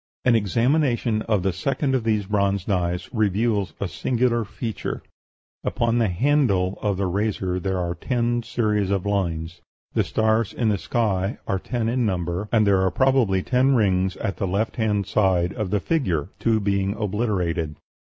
An examination of the second of these bronze knives reveals a singular feature: Upon the handle of the razor there are ten series of lines; the stars in the sky are ten in number; and there were probably ten rings at the left hand side of the figure, two being obliterated.